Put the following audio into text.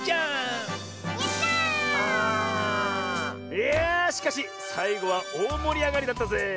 いやあしかしさいごはおおもりあがりだったぜえ。